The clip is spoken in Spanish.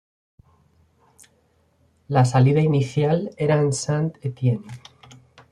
La salida inicial era en Saint-Étienne.